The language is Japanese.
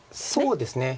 そうですね。